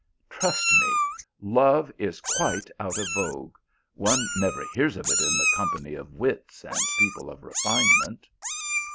Trust me, love is quite out of vogue ; one never hears of it in the company of wits and people of refinement."